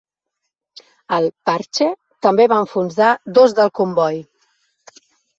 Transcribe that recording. El "Parche" també va enfonsar dos del comboi.